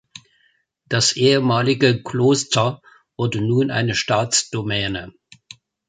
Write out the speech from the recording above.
Das ehemalige Kloster wurde nun eine Staatsdomäne.